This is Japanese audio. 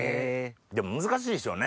でも難しいでしょうね